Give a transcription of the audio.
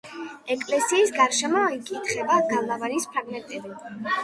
ეკლესიის გარშემო იკითხება გალავნის ფრაგმენტები.